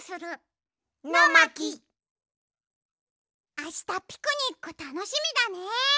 あしたピクニックたのしみだね！